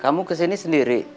kamu kesini sendiri